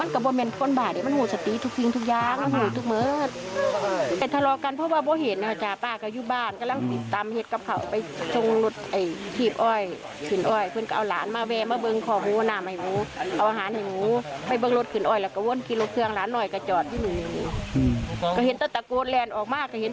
ก็เห็นตั้งแต่โกรทแลนด์ออกมาก็เห็นตั้งแต่อยู่ในนามกันหรอก